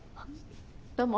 どうも。